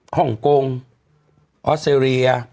ฮ่องกงออสเตรเลีย